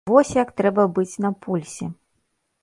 Вось як трэба быць на пульсе.